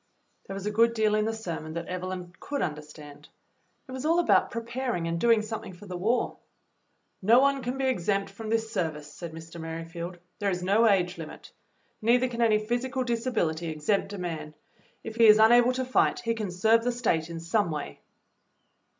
There was a good deal in the sermon that Evelyn could understand. It was all about preparing and doing something for the war. "No one can be exempt from this service," said Mr. Merrifield. "There is no age hmit. Neither EVELYN'S WAR WORK 43 can any physical disability exempt a man. If he is unable to fight, he can serve the State in some way."